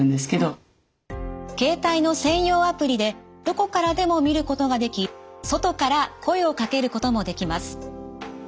携帯の専用アプリでどこからでも見ることができ外から声をかけることもできます。